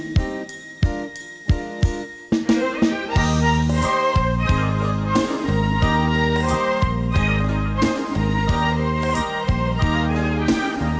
แม่อินโทรเป็นอย่างนี้